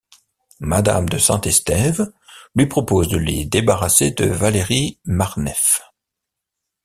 Madame de Saint-Estève lui propose de les débarrasser de Valérie Marneffe.